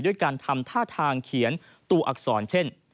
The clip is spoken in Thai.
ด้วยการทำท่าทางเขียนตัวอักษรเช่น